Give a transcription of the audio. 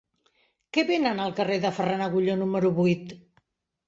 Què venen al carrer de Ferran Agulló número vuit?